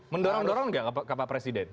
mendorong dorong nggak ke pak presiden